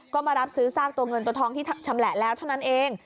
ก็มารับซื้อซากตัวเงินตัวทองที่ชำแหละแล้วเท่านั้นเอง